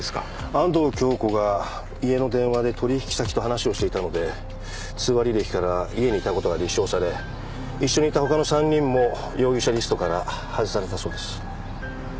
安藤杏子が家の電話で取引先と話をしていたので通話履歴から家にいたことが立証され一緒にいた他の３人も容疑者リストから外されたそうです。